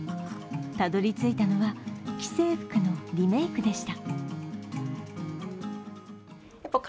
たどりついたのは、既製服のリメークでした。